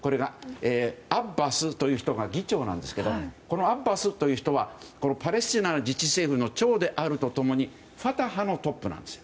アッバスという人が議長なんですけれどこのアッバスという人はパレスチナの自治政府の長であると共にファタハのトップなんです。